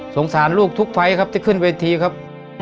สารลูกทุกไฟล์ครับที่ขึ้นเวทีครับ